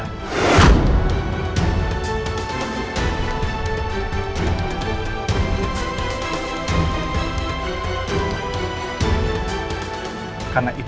bukti baru apa